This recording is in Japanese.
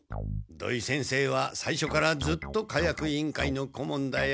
土井先生はさいしょからずっと火薬委員会の顧問だよ。